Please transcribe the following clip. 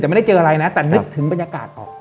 แต่ไม่ได้เจออะไรนะแต่นึกถึงบรรยากาศออก